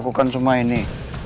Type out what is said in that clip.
itu berbeda asli